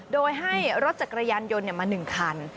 โดยให้รถจักรยานยนต์มา๑คัน